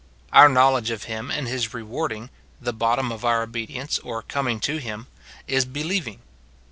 6. Our knowledge of him and his rewarding (the bottom of our obedience or com ing to him), is believing.